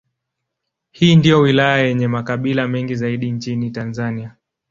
Hii ndiyo wilaya yenye makabila mengi zaidi nchini Tanzania.